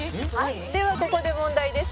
「ではここで問題です」